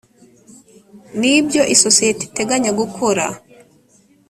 n ibyo isosiyete iteganya gukora